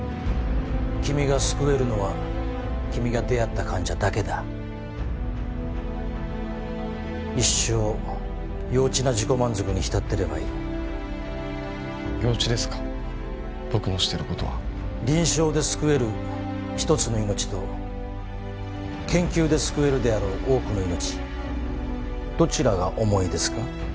君が救えるのは君が出会った患者だけだ一生幼稚な自己満足に浸ってればいい幼稚ですか僕のしてることは臨床で救える一つの命と研究で救えるであろう多くの命どちらが重いですか？